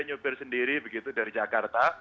nyopir sendiri begitu dari jakarta